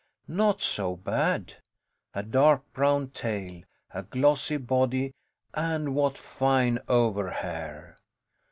Not so bad! A dark brown tail, a glossy body, and what fine over hair!